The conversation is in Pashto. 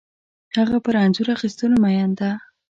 هغه پر انځور اخیستلو مین ده